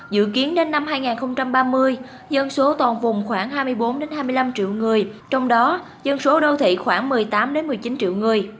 dự kiến đến năm hai nghìn ba mươi dân số toàn vùng khoảng hai mươi bốn hai mươi năm triệu người trong đó dân số đô thị khoảng một mươi tám một mươi chín triệu người